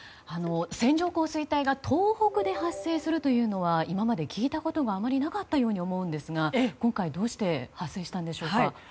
線状降水帯が東北で発生するというのは今まで聞いたことがあまりなかったように思うんですが今回どうして発生したんでしょうか。